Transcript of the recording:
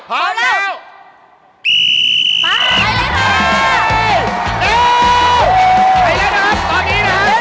มาเลยค่ะ